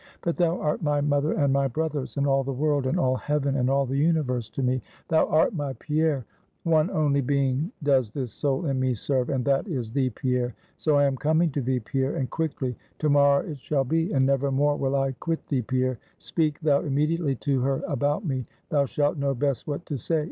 But thou art my mother and my brothers, and all the world, and all heaven, and all the universe to me thou art my Pierre. One only being does this soul in me serve and that is thee, Pierre. So I am coming to thee, Pierre, and quickly; to morrow it shall be, and never more will I quit thee, Pierre. Speak thou immediately to her about me; thou shalt know best what to say.